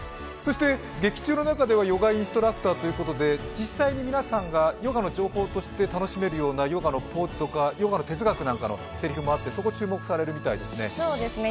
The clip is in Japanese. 劇中ではヨガインストラクターということで、実際に皆さんがヨガの情報として楽しめるようなヨガのポーズとか、ヨガの哲学などもあって、そこに注目されるみたいですね。